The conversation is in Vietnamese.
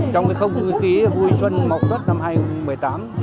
trong không khí vui xuân mọc năm hai nghìn một mươi tám